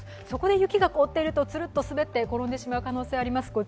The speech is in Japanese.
そこで雪が凍っているとツルッと滑って転んでしまう可能性があります。